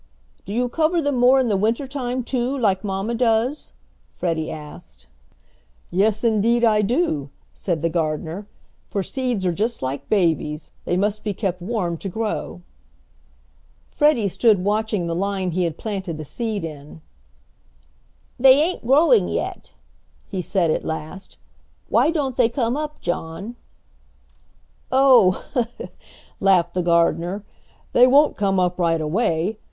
"Do you cover them more in the winter time too, like mamma does?" Freddie asked. "Yes, indeed I do," said the gardener, "for seeds are just like babies, they must be kept warm to grow." Freddie stood watching the line he had planted the seed in. "They ain't growing yet," he said at last. "Why don't they come up, John?" "Oh!" laughed the gardener, "they won't come up right away.